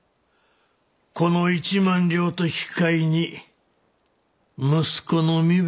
この１万両と引き換えに息子の身分は安泰じゃ。